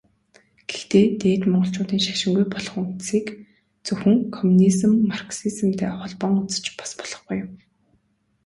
Гэхдээ Дээд Монголчуудын шашингүй болох үндсийг зөвхөн коммунизм, марксизмтай холбон үзэж бас болохгүй юм.